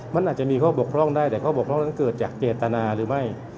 มันอาจจะมีข้อบกพร่องได้แต่ข้อบกพร่องนั้นเกิดจากเจตนาหรือไม่